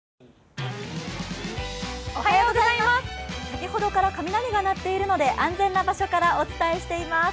先ほどから雷が鳴っているので安全な場所からお伝えしています。